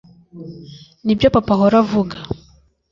nibyo papa ahora avuga